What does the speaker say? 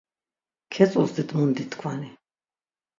Ǩetzozdit munditkvani.